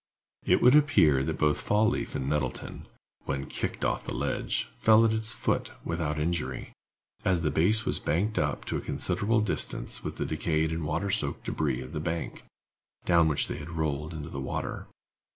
It would appear that both Fall leaf and Nettleton, when kicked off the ledge, fell at its foot without injury, as the base was banked up to a considerable distance with the decayed and water soaked débris of the bank, down which they rolled into the water.